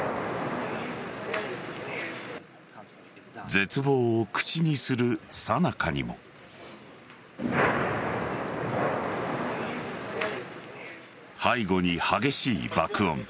絶望を口にするさなかにも背後に激しい爆音。